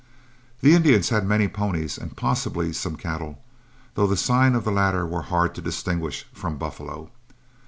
The Indians had many ponies and possibly some cattle, though the sign of the latter was hard to distinguish from buffalo.